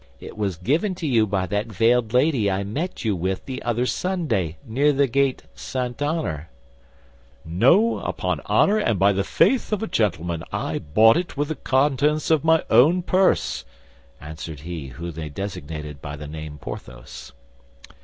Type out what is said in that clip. It was given to you by that veiled lady I met you with the other Sunday, near the gate St. Honoré." "No, upon honor and by the faith of a gentleman, I bought it with the contents of my own purse," answered he whom they designated by the name Porthos.